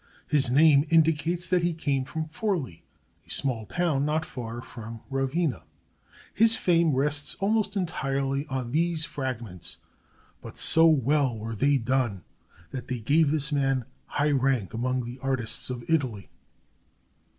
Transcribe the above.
His name indicates that he came from Forlì, a small town not far from Ravenna. His fame rests almost entirely on these fragments; but so well were they done that they give this man high rank among the artists of Italy.